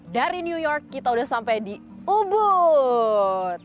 dari new york kita udah sampai di ubud